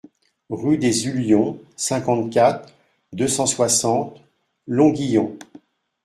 Rue des Ullions, cinquante-quatre, deux cent soixante Longuyon